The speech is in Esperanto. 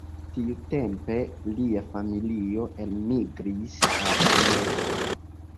Tiutempe lia familio elmigris al Ameriko.